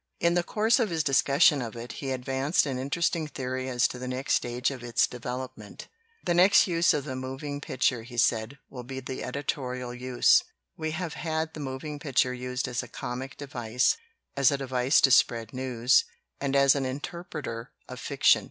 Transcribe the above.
In the course of his discussion of it he advanced an interesting theory as to the next stage of its development. "The next use of the moving picture," he said, "will be the editorial use. We have had the moving picture used as a comic device, as a de vice to spread news, and as an interpreter of fic tion.